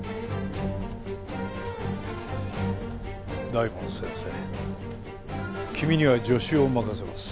大門先生君には助手を任せます。